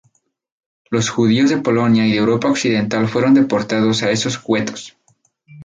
Los judíos de Polonia y de Europa occidental fueron deportados a esos guetos.